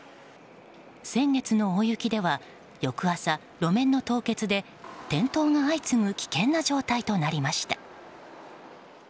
先月の大雪では翌朝、路面の凍結で転倒が相次ぐ危険な状態となりました。